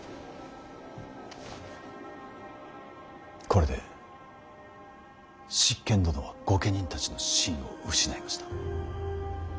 これで執権殿は御家人たちの信を失いました。